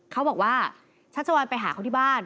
เขาบอกว่าชัชวัลไปหาเขาที่บ้าน